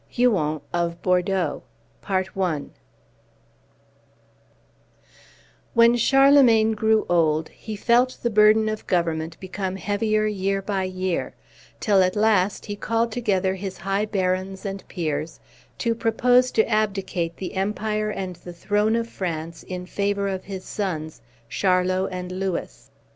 HUON OF BORDEAUX WHEN Charlemagne grew old he felt the burden of government become heavier year by year, till at last he called together his high barons and peers to propose to abdicate the empire and the throne of France in favor of his sons, Charlot and Lewis.